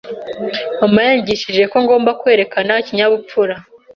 Mama yanyigishije ko ngomba kwerekana ikinyabupfura.